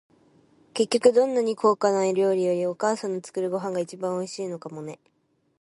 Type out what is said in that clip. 結局、どんなに高価な料理より、お母さんの作るご飯が一番おいしいのかもね。